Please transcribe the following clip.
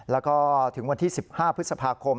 แล้วก็ถึงวันที่๑๕พฤษภาคม